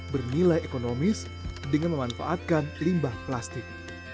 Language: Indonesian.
bernilai ekonomis dengan memanfaatkan limbah plastik